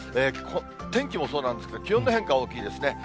天気もそうなんですけど、気温の変化、大きいですね。